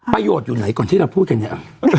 ประโยชน์อยู่ไหนก่อนที่เราพูดกันเนี่ย